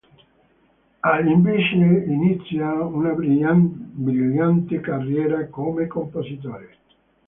Al, invece, inizia una brillante carriera come compositore.